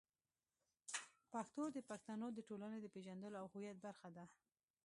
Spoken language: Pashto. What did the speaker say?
پښتو د پښتنو د ټولنې د پېژندلو او هویت برخه ده.